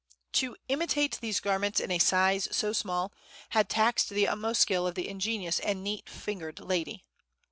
To imitate these garments in a size so small, had taxed the utmost skill of the ingenious and neat fingered lady.